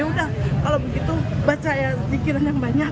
yaudah kalau begitu baca ya dikira yang banyak